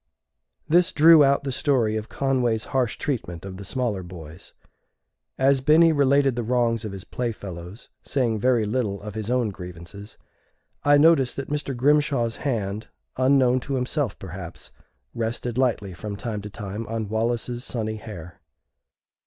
This drew out the story of Conway's harsh treatment of the smaller boys. As Binny related the wrongs of his playfellows, saying very little of his own grievances, I noticed that Mr. Grimshaw's hand, unknown to himself perhaps, rested lightly from time to time on Wallace's sunny hair.